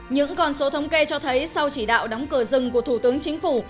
những con số thống kê cho thấy sau chỉ đạo đóng cửa rừng của thủ tướng chính phủ